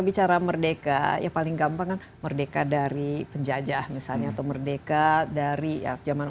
bicara merdeka ya paling gampang kan merdeka dari penjajah misalnya atau merdeka dari zaman